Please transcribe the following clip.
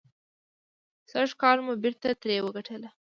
سږکال مو بېرته ترې وګټله.